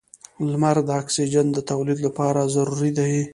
• لمر د اکسیجن د تولید لپاره ضروري دی.